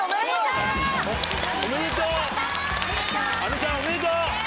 あのちゃんおめでとう！